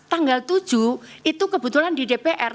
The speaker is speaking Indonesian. tanggal tujuh itu kebetulan di dpr